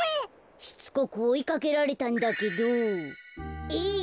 しつこくおいかけられたんだけど「えい！